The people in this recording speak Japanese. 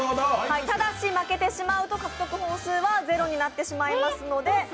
ただし負けたら獲得本数はゼロになってしまいます。